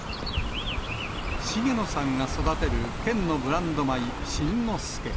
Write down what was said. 重野さんが育てる県のブランド米、新之助。